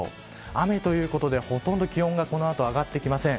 雨ということで、ほとんど気温がこの後上がってきません。